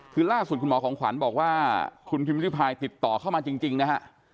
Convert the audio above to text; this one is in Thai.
คือล่าสุดคุณหมอของขวัญบอกว่าคุณพิมพิริพายติดต่อเข้ามาจริงนะฮะ